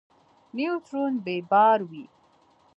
نیوترون بې بار وي.